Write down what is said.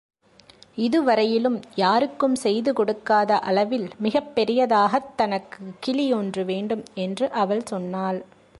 இதுவரையிலும் யாருக்கும் செய்து கொடுக்காத அளவில் மிகப்பெரியதாகத் தனக்குக் கிளியொன்று வேண்டும் என்று அவள் சொன்னாள்.